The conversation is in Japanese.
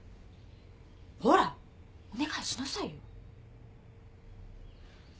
ほらお願いしなさいよ。